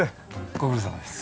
ご苦労さまです。